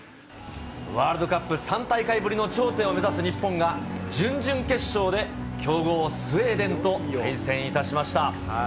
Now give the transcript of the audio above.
ワールドカップ３大会ぶりの頂点を目指す日本が、準々決勝で強豪、スウェーデンと対戦いたしました。